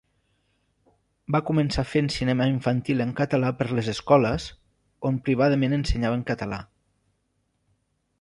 Va començar fent cinema infantil en català per les escoles, on privadament ensenyaven català.